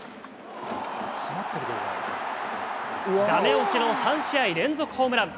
だめ押しの３試合連続ホームラン。